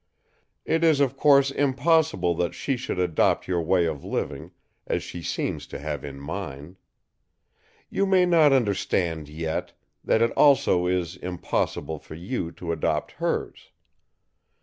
"It is of course impossible that she should adopt your way of living, as she seems to have in mind. You may not understand, yet, that it also is impossible for you to adopt hers.